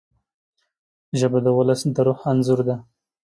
ژبه د ولس د روح انځور ده